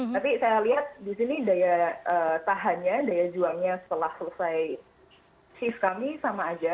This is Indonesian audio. tapi saya lihat di sini daya tahannya daya juangnya setelah selesai shift kami sama aja